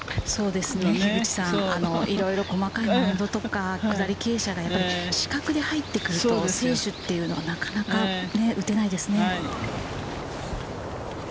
いろいろ細かい上りとか下り傾斜が死角に入ってくると、選手というのはなかなか打てないですね。